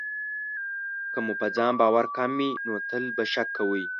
که مو په ځان باور کم وي، نو تل به شک کوئ.